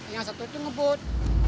yang satu itu ngebut